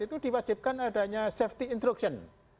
itu diwajibkan adanya safety instruction